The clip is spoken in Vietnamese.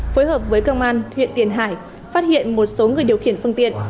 phối hợp với công an huyện tiền hải phát hiện một số người điều khiển phương tiện